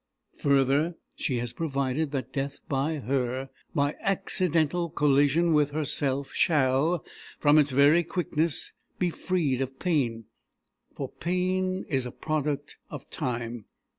Further, she has provided that death by her, by accidental collision with herself shall, from its very quickness, be freed of pain. For pain is a product of time.